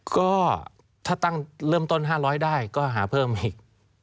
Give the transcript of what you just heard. ก็ถ้าตั้งเริ่มต้น๕๐๐ได้ก็หาเพิ่มอีก